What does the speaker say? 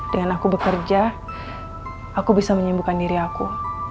dengan aku bekerja aku bisa menyembuhkan diri aku